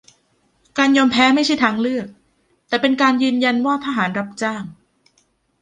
การยอมแพ้ไม่ใช่ทางเลือก แต่เป็นการยืนยันว่าทหารรับจ้าง